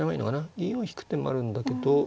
銀を引く手もあるんだけど。